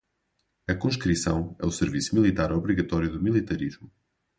A conscrição é o serviço militar obrigatório do militarismo